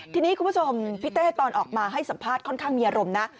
ทีนี้คุณผู้ชมพี่เต้ตอนออกมาให้สัมภาษณ์ค่อนข้างมีอารมณ์นะ